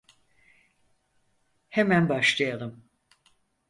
Hemen başlayalım.